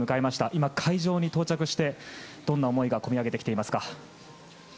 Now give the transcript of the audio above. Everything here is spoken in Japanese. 今、会場に到着してどんな思いがこみ上げてきていますか？